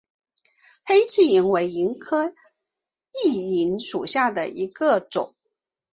黑翅萤为萤科熠萤属下的一个种。